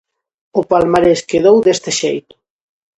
O palmarés quedou deste xeito: